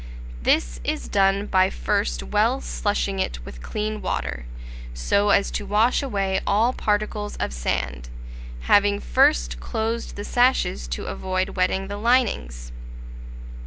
This is done by first well slushing it with clean water, so as to wash away all particles of sand, having first closed the sashes to avoid wetting the linings.